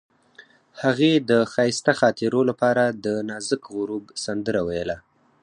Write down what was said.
هغې د ښایسته خاطرو لپاره د نازک غروب سندره ویله.